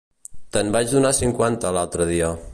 Te'n vaig donar cinquanta l'altre dia.